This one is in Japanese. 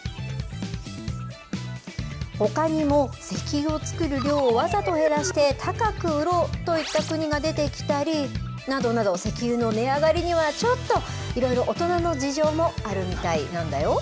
ほかにも石油を作る量をわざと減らして高く売ろうといった国が出てきたり、などなど石油の値上がりにはちょっといろいろ大人の事情もあるみたいなんだよ。